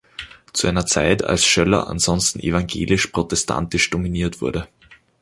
Zu einer Zeit als Schöller ansonsten evangelisch-protestantisch dominiert wurde.